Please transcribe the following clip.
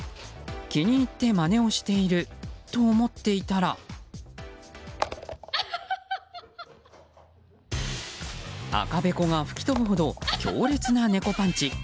気に入ってまねをしていると思っていたら赤べこが吹き飛ぶほど強烈な猫パンチ。